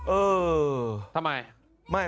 เออทำไม